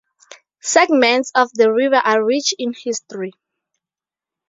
Segments of the river are rich in history.